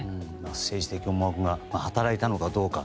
政治的思惑が働いたのかどうか。